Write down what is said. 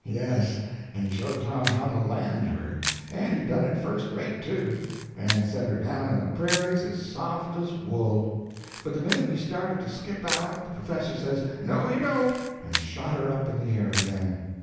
Yes, and he showed Tom how to land her; and he done it first rate, too, and set her down in the prairies as soft as wool. But the minute we started to skip out the professor says, "No, you don't!" and shot her up in the air again.